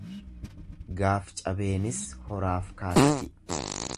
Gaaf cabeenis horaaf kaatti.